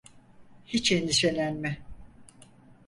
Hiç endişelenme.